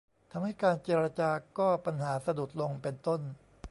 ทำให้การเจรจาก็ปัญหาสะดุดลง เป็นต้น